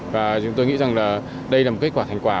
và chúng tôi nghĩ rằng là đây là một kết quả thành quả